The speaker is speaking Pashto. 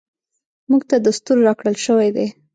موږ ته دستور راکړل شوی دی .